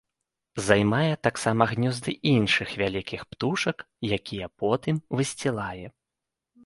Займае таксама гнёзды іншых вялікіх птушак, якія потым высцілае.